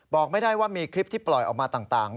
บอกไม่ได้ว่ามีคลิปที่ปล่อยออกมาต่าง